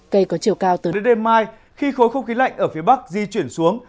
cây có chiều cao từ đến đêm mai khi khối không khí lạnh ở phía bắc di chuyển xuống